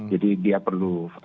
jadi dia perlu